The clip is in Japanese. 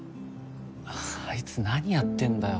あいつ何やってんだよ